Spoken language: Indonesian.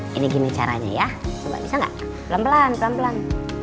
hai ini gini caranya ya bisa nggak pelan pelan pelan pelan